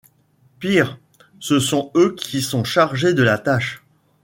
Pire, ce sont eux qui sont chargés de la tâche.